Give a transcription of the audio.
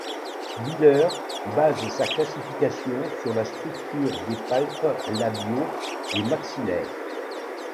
Wheeler base sa classification sur la structure des palpes labiaux et maxillaires.